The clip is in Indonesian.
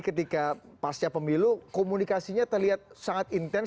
ketika pasca pemilu komunikasinya terlihat sangat intens